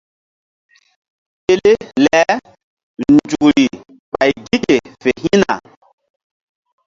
Pele le nzukri ɓay gi ke fe hi̧na.